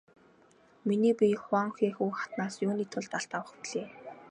Миний бие Хуванхэхү хатнаас юуны тулд алт авах билээ?